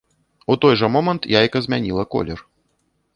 У той жа момант яйка змяніла колер.